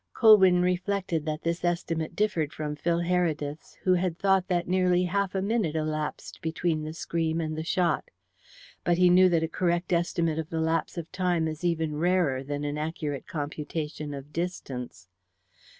Colwyn reflected that this estimate differed from Phil Heredith's, who had thought that nearly half a minute elapsed between the scream and the shot. But he knew that a correct estimate of the lapse of time is even rarer than an accurate computation of distance.